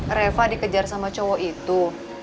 mas yakin reva dikejar sama cowok itu